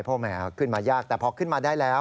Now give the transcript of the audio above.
เพราะแหมขึ้นมายากแต่พอขึ้นมาได้แล้ว